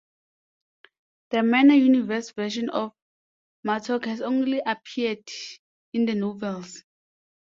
The Mirror Universe version of Martok has only appeared in the novels.